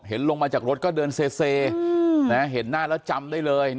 ลงมาจากรถก็เดินเซเห็นหน้าแล้วจำได้เลย